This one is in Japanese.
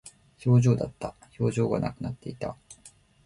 表情だった。表情がなくなっていた。